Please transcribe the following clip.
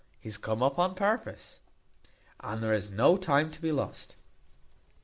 He's come up on purpose, and there is no time to be lost."